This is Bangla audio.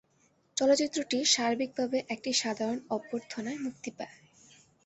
চলচ্চিত্রটি সার্বিকভাবে একটি সাধারণ অভ্যর্থনায় মুক্তি পায়।